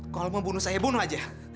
kalau mau bunuh saya bunuh saja